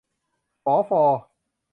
ฝอ ฟอ